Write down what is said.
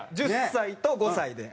１０歳と５歳で。